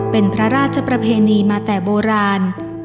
เป็นพระราชประเพณีมาแต่โบราณ